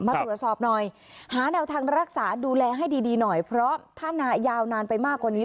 มาตรวจสอบหน่อยหาแนวทางรักษาดูแลให้ดีหน่อยเพราะถ้านายาวนานไปมากกว่านี้